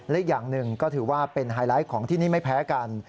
และอีกอย่างหนึ่งก็ถือว่าเป็นไฮไลท์ของที่นี่ไม่แพ้กัน